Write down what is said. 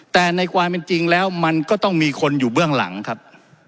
แต่ในความเป็นจริงแล้วมันก็ต้องมีคนอยู่เบื้องหลังครับ